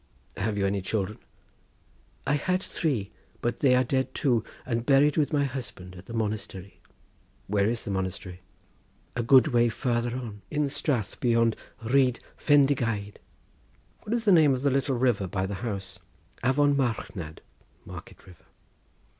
"Have you any children?" "I had three, but they are dead too, and buried with my husband at the Monastery." "Where is the Monastery?" "A good way farther on, at the strath beyond Rhyd Fendigaid." "What is the name of the little river by the house?" "Avon Marchnad (Market River)."